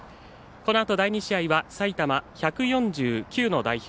このあと第２試合は埼玉１４９の代表